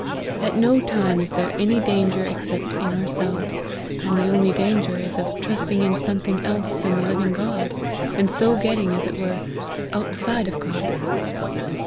At no time is there any danger except in ourselves, and the only danger is of trusting in something else than the living God, and so getting, as it were, outside of God.